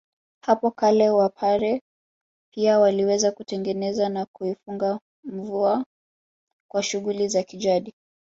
Hapo kale wapare pia waliweza kutengeneza au kuifunga mvua kwa shughuli za kijadi